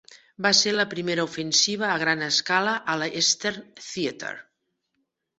Va ser la primera ofensiva a gran escala a l'Eastern Theater.